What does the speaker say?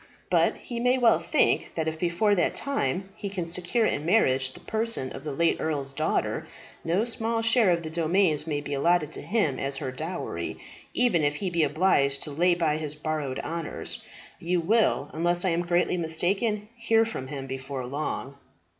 But he may well think that if before that time he can secure in marriage the person of the late earl's daughter, no small share of the domains may be allotted to him as her dowry, even if he be obliged to lay by his borrowed honours. You will, unless I am greatly mistaken, hear from him before long."